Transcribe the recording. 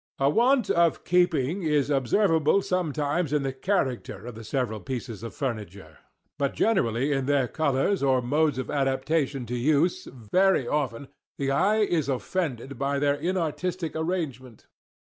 A want of keeping is observable sometimes in the character of the several pieces of furniture, but generally in their colours or modes of adaptation to use _Very _often the eye is offended by their inartistic arrangement.